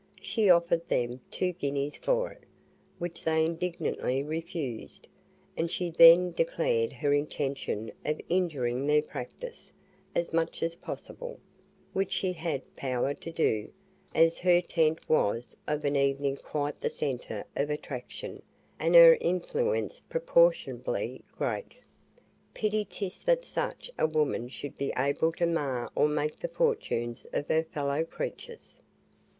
She offered them two guineas for it, which they indignantly refused, and she then declared her intention of injuring their practice as much as possible, which she had power to do, as her tent was of an evening quite the centre of attraction and her influence proportionably great. Pity 'tis that such a woman should be able to mar or make the fortunes of her fellow creatures.